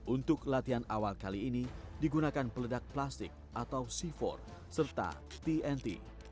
untuk latihan awal kali ini digunakan peledak plastik atau c empat serta tnt